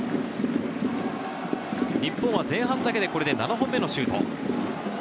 日本は前半だけで７本目のシュート。